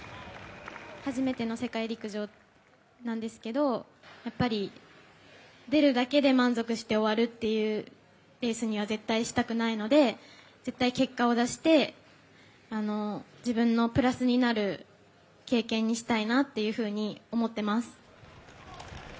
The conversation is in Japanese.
初めての世界陸上なんですけど、やっぱり、出るだけで満足して終わるというレースにはしたくないので絶対結果を出して、自分のプラスになる経験にしたいなっていうふうに思ってます。